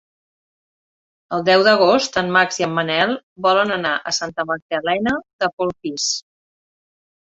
El deu d'agost en Max i en Manel volen anar a Santa Magdalena de Polpís.